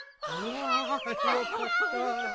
あよかった。